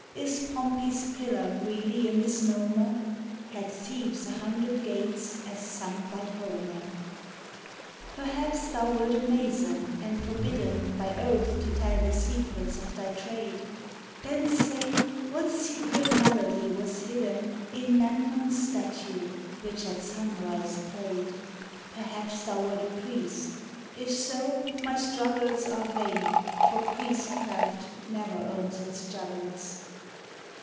Is Pompey's Pillar really a misnomer ? Had Thebes a hundred gates, as sung by Homer ? Perhaps thou wert a Mason, and forbidden By oath to tell the secrets of thy trade, —■ Then say what secret melody was hidden In Memnon's statue, which at sunrise played ? Perhaps thou wert a priest, — if so, my struggles Are vain, for priestcraft never owns its juggles.